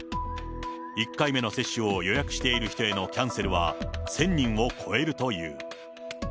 １回目の接種を予約している人へのキャンセルは１０００人を超えるという。